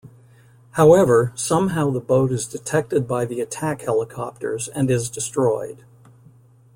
However, somehow the boat is detected by the attack helicopters and is destroyed.